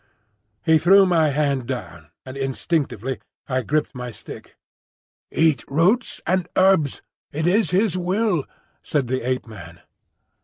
He threw my hand down, and instinctively I gripped my stick. "Eat roots and herbs; it is His will," said the Ape man.